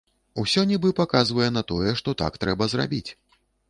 Усё нібы паказвае на тое, што так трэба зрабіць.